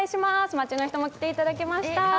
町の人にも来ていただきました。